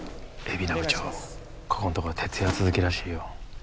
海老名部長ここのところ徹夜続きらしいよ。